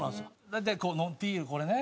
大体ビールこれね。